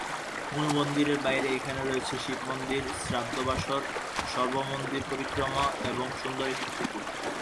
মূল মন্দিরের বাইরে এখানে রয়েছে শিব মন্দির, শ্রাদ্ধ বাসর, সর্ব মন্দির পরিক্রমা এবং সুন্দর একটি পুকুর।